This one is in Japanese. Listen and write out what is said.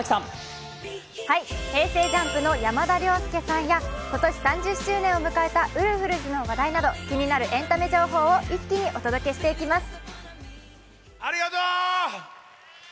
ＪＵＭＰの山田涼介さんや、今年３０周年を迎えたウルフルズの話題など気になるエンタメ情報を一気にお届けしていきます。